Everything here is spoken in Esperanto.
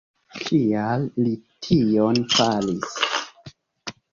Kial li tion faris?